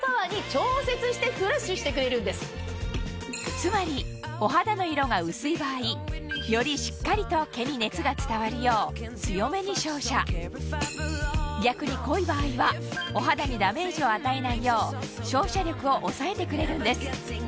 つまりお肌の色が薄い場合よりしっかりと毛に熱が伝わるよう強めに照射逆に濃い場合はお肌にダメージを与えないよう照射力を抑えてくれるんです